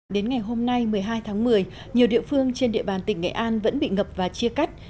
đến ngày hôm nay một mươi hai tháng một mươi nhiều địa phương trên địa bàn tỉnh nghệ an vẫn bị ngập và chia cắt